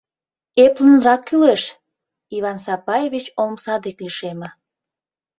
— Эплынрак кӱлеш, — Иван Сапаевич омса дек лишеме.